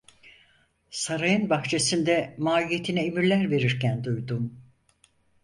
Sarayın bahçesinde maiyetine emirler verirken duydum…